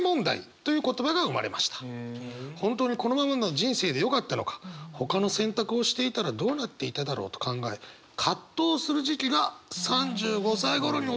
本当にこのままの人生でよかったのかほかの選択をしていたらどうなっていただろうと考え葛藤する時期が３５歳ごろに訪れるんだぞという言葉ですね。